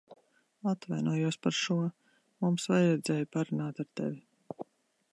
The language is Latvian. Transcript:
Atvainojos par šo. Mums vajadzēja parunāt ar tevi.